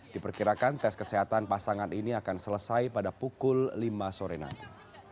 diperkirakan tes kesehatan pasangan ini akan selesai pada pukul lima sore nanti